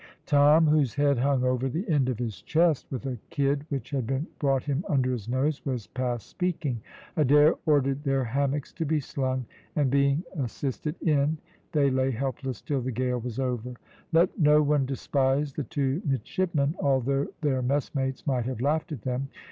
Tom, whose head hung over the end of his chest, with a kid which had been brought him under his nose, was past speaking. Adair ordered their hammocks to be slung, and being assisted in, they lay helpless till the gale was over. Let no one despise the two midshipmen, although their messmates might have laughed at them.